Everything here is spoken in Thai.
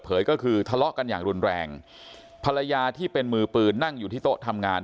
ภรรยาที่เป็นมือปืนนั่งอยู่ที่โต๊ะทำงาน